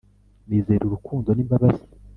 nizera urukundo n'imbabazi